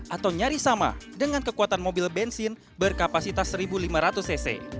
atau nyaris sama dengan kekuatan mobil bensin berkapasitas satu lima ratus cc